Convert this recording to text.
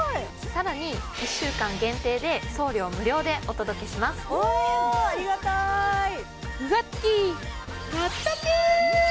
更に１週間限定で送料無料でお届けしますおありがたい！